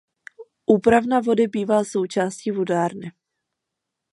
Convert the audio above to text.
Úpravna vody bývá součástí vodárny.